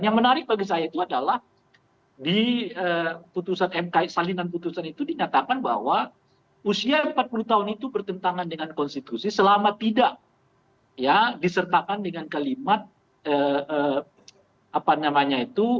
yang menarik bagi saya itu adalah di putusan mk salinan putusan itu dinyatakan bahwa usia empat puluh tahun itu bertentangan dengan konstitusi selama tidak ya disertakan dengan kalimat apa namanya itu